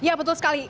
ya betul sekali